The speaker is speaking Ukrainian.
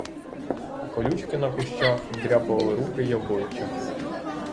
Колючки на кущах дряпали руки й обличчя.